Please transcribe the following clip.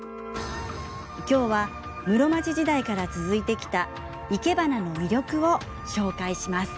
今日は室町時代から続いてきたいけばなの魅力を紹介します。